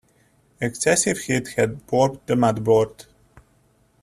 Excessive heat had warped the motherboard.